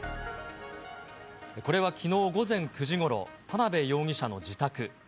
これはきのう午前９時ごろ、田辺容疑者の自宅。